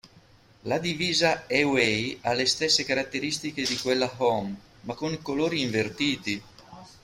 La divisa "away" ha le stesse caratteristiche di quella "home", ma con colori invertiti.